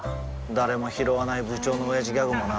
誰もひろわない部長のオヤジギャグもな